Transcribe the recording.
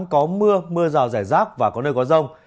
có mưa mưa rào rải rác và có nơi có rông